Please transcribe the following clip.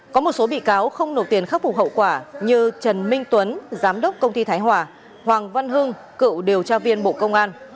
có một số bị cáo không nộp tiền khắc phục hậu quả như trần minh tuấn giám đốc công ty thái hòa hoàng văn hưng cựu điều tra viên bộ công an